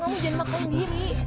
kamu jangan makan sendiri